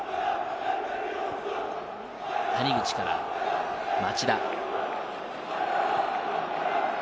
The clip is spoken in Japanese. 谷口から町田。